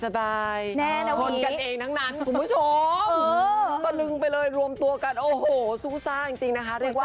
แน่นอนวิคุณผู้ชมต้อนรึงไปเลยรวมตัวกันโอ้โหสู้ซ่าจริงนะคะ